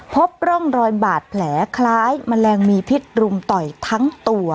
พบร่องรอยบาดแผลคล้ายแมลงมีพิษรุมต่อยทั้งตัว